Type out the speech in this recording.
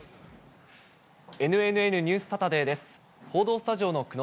ＮＮＮニュースサタデーです。